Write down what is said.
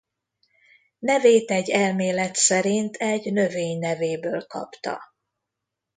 Nevét egy elmélet szerint egy növény nevéből kapta.